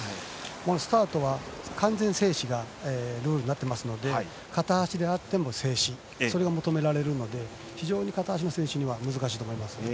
スタートは完全静止がルールなので片足であっても静止が求められるので非常に片足の選手には難しいと思います。